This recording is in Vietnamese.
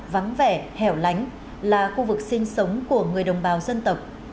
vắng vẻ hẻo lánh là khu vực sinh sống của người đồng bào dân tộc